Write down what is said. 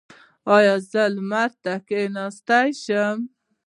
ایا زه لمر ته کیناستلی شم؟